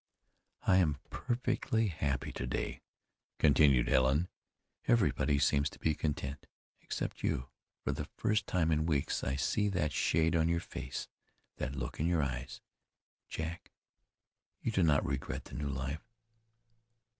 "I am perfectly happy to day," continued Helen. "Everybody seems to be content, except you. For the first time in weeks I see that shade on your face, that look in your eyes. Jack, you do not regret the new life?"